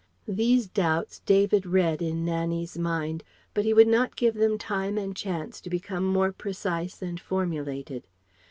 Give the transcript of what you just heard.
These doubts David read in Nannie's mind. But he would not give them time and chance to become more precise and formulated.